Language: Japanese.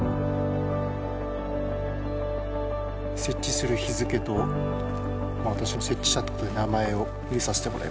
設置する日付と私が設置したってことで名前を入れさせてもらいました。